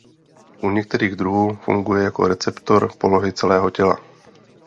U některých druhů funguje jako receptor polohy celého těla.